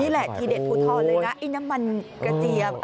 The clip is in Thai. นี่แหละทีเด็ดพูดทอดเลยนะไอ้น้ำมันกระเจียม